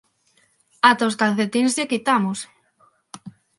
¡Ata os calcetíns lle quitamos!